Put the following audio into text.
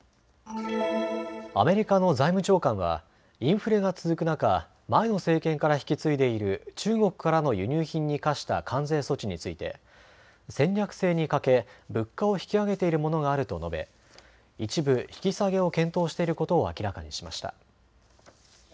アメリカの財務長官はインフレが続く中、前の政権から引き継いでいる中国からの輸入品に課した関税措置について、戦略性に欠け物価を引き上げているものがあると述べ一部、引き下げを検討していることを明らかにしました。